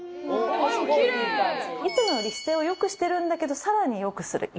いつもより姿勢を良くしてるんだけどさらに良くするイメージ。